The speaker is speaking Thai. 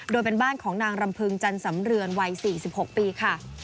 โดยเป็นบ้านของนางรำพึงจันสำเรือนวัย๔๖ปีค่ะ